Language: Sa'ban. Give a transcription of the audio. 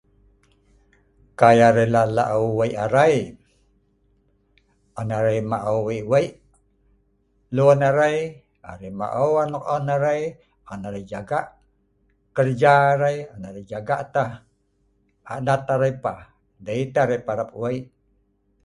Kai arei lak, la’au we’ik arei. An arei ma’au we’ik-we’ik lun arei, on arei ma’au anok on arei. On arei jaga kerja arei, jaga tah adat arei peh. Dei teh arei parap we’ik